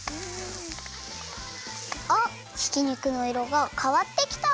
あっひき肉のいろがかわってきた！